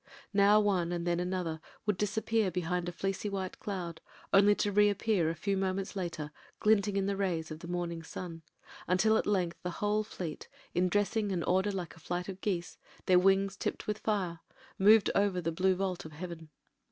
Now one and then another would disappear behind a fleecy white cloud, only to reappear a few moments later glinting in the rays of the morning sun, until at length the whole fleet, in dressing and order like a flight of geese, their wings tipped with fire, moved over the blue vault of heaven.